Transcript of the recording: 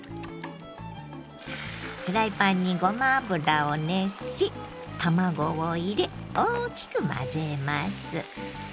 フライパンにごま油を熱し卵を入れ大きく混ぜます。